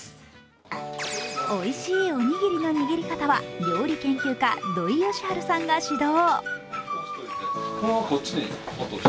おいしいおにぎりの握り方は料理研究家・土井善晴さんが指導。